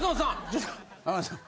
ちょっと浜田さん。